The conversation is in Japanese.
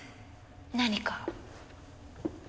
何か？